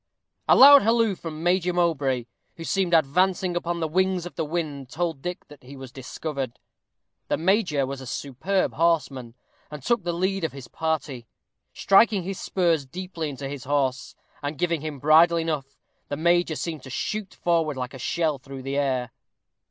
A loud halloo from Major Mowbray, who seemed advancing upon the wings of the wind, told Dick that he was discovered. The major was a superb horseman, and took the lead of his party. Striking his spurs deeply into his horse, and giving him bridle enough, the major seemed to shoot forward like a shell through the air.